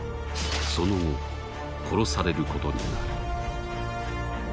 その後殺されることになる。